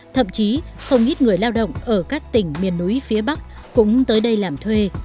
thậm chí không ít người lao động ở các tỉnh miền núi phía bắc cũng tới đây làm thuê